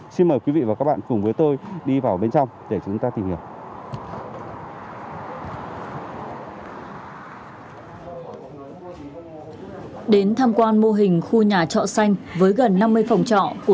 xin mời quý vị và các bạn cùng với tôi đi vào bên trong để chúng ta tìm hiểu